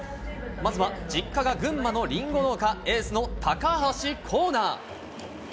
まずは実家が群馬のりんご農家、エースの高橋光成。